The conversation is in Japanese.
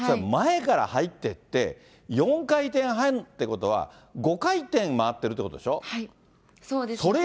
前から入ってって、４回転半ってことは、５回転回ってるってことそうです。